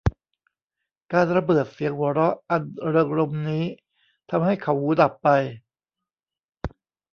การระเบิดเสียงหัวเราะอันเริงรมย์นี้ทำให้เขาหูดับไป